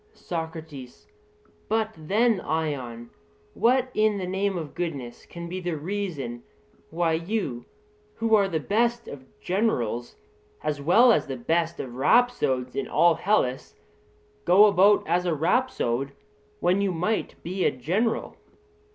SOCRATES: But then, Ion, what in the name of goodness can be the reason why you, who are the best of generals as well as the best of rhapsodes in all Hellas, go about as a rhapsode when you might be a general?